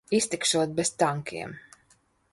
Iztikšot bez tankiem.